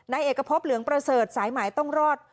เอกพบเหลืองประเสริฐสายหมายต้องรอด